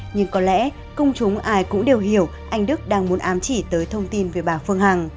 nhưng có lẽ công chúng ai cũng đều hiểu anh đức đang muốn ám chỉ tới thông tin về bà phương hằng